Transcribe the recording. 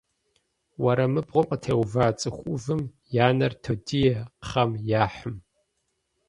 Уэрамыбгъум къытеува цӏыху ӏувым я нэр тодие кхъэм яхьым.